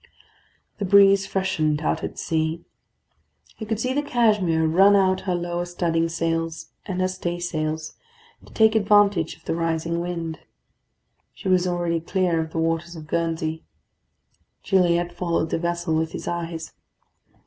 The breeze freshened out at sea. He could see the Cashmere run out her lower studding sails and her staysails, to take advantage of the rising wind. She was already clear of the waters of Guernsey. Gilliatt followed the vessel with his eyes.